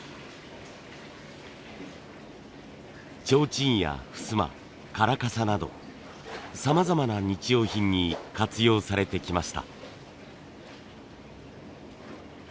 ちょうちんやふすま唐傘などさまざまな日用品に活用されてきました。